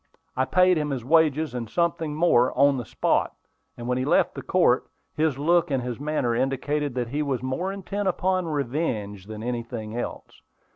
I paid him his wages, and something more, on the spot; and when he left the court, his look and his manner indicated that he was more intent upon revenge than anything else.